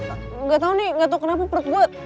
enggak tahu nih enggak tahu kenapa perut gue